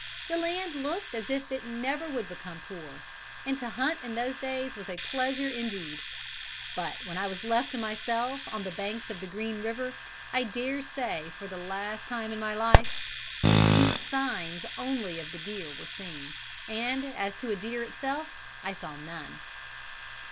The land looked as if it never would become poor; and to hunt in those days was a pleasure indeed. But when I was left to myself on the banks of Green River, I daresay for the last time in my life, a few signs only of the deer were seen, and as to a deer itself I saw none.